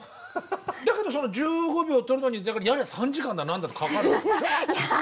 だけどその１５秒撮るのにやれ３時間だ何だってかかるわけでしょ？